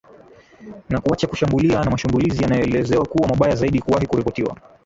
na kuacha kushambulia na mashambulizi yanaoelezwa kuwa mabaya zaidi kuwahi kuripotiwa